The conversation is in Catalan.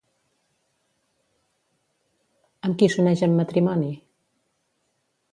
Amb qui s'uneix en matrimoni?